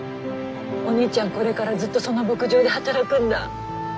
これからずっとその牧場で働くんだ。